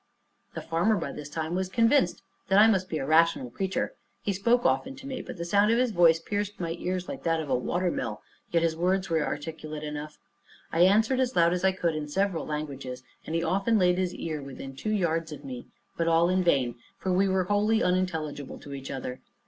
The farmer, by this time, was convinced I must be a rational creature. He spoke often to me, but the sound of his voice pierced my ears like that of a watermill, yet his words were articulate enough. I answered as loud as I could in several languages, and he often laid his ear within two yards of me; but all in vain, for we were wholly unintelligible to each other.